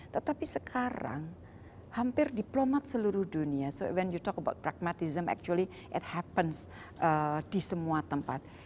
tetapi sekarang hampir diplomat seluruh dunia so wen you talk about pragmatism actually at happens di semua tempat